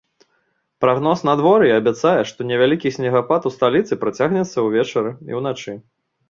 Прагноз надвор'я абяцае, што невялікі снегапад у сталіцы працягнецца ўвечары і ўначы.